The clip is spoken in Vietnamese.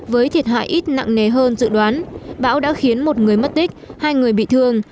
với thiệt hại ít nặng nề hơn dự đoán bão đã khiến một người mất tích hai người bị thương